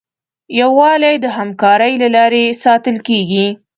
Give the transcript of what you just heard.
یووالی د همکارۍ له لارې ساتل کېږي.